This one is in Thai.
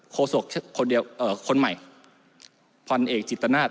โคศกคนใหม่พันเอกจิตนาท